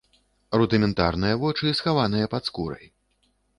Рудыментарныя вочы схаваныя пад скурай.